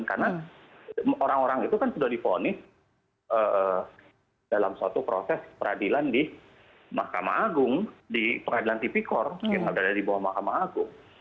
karena orang orang itu kan sudah diponis dalam suatu proses peradilan di mahkamah agung di peradilan tipikor yang ada di bawah mahkamah agung